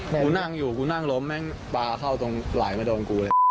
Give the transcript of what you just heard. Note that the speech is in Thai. กูนั่งอยู่กูนั่งล้มแม่งปลาเข้าตรงไหลมาโดนกูเลย